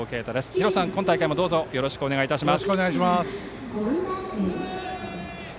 廣瀬さん、今大会もどうぞよろしくお願いいたします。